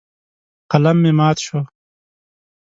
قلم مې مات شو.